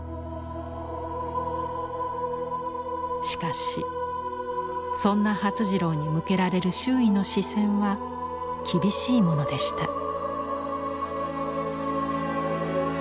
しかしそんな發次郎に向けられる周囲の視線は厳しいものでした。